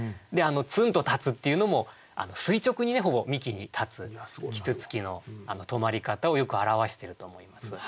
「つんと立つ」っていうのも垂直にねほぼ幹に立つ啄木鳥の止まり方をよく表してると思います。